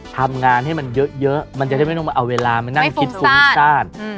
ทำงานให้มันเยอะมันจะให้ไม่ต้องเอาเวลามันนั่งคิดฟุ้งสร้าวอืม